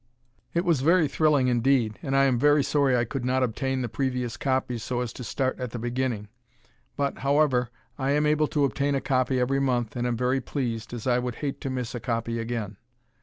It was very thrilling, indeed, and I am very sorry I could not obtain the previous copies so as to start at the beginning. But, however, I am able to obtain a copy every month and am very pleased, as I would hate to miss a copy again.